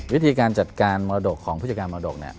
วิธีการจัดการมรดกของผู้จัดการมรดก